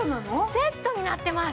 セットになってます！